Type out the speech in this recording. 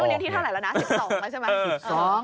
วันนี้ที่เท่าไหแล้วนะ๑๒แล้วใช่ไหม